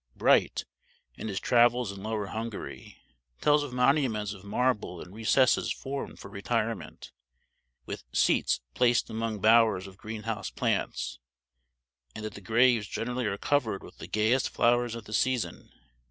Bright, in his travels in Lower Hungary, tells of monuments of marble and recesses formed for retirement, with seats placed among bowers of greenhouse plants, and that the graves generally are covered with the gayest flowers of the season.